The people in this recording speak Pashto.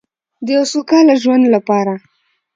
د یو سوکاله ژوند لپاره.